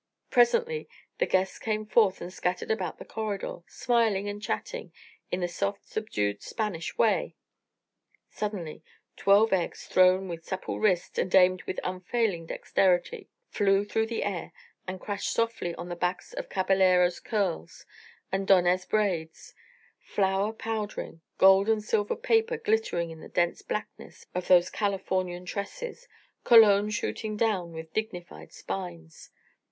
Presently the guests came forth and scattered about the corridor, smiling and chatting in the soft subdued Spanish way. Suddenly twelve eggs, thrown with supple wrist and aimed with unfailing dexterity, flew through the air and crashed softly on the backs of caballeros' curls and donas' braids, flour powdering, gold and silver paper glittering on the dense blackness of those Californian tresses, cologne shooting down dignified spines.